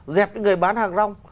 dẹp những người bán hàng rong